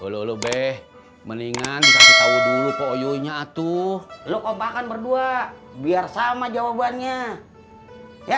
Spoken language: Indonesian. oloh be mendingan tahu dulu kok yuknya tuh lo kompakan berdua biar sama jawabannya ya